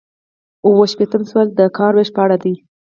اووه شپیتم سوال د کار ویش په اړه دی.